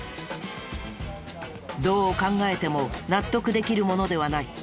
どう考えても納得できるものではない。